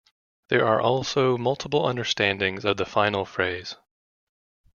There are also multiple understandings of the final phrase.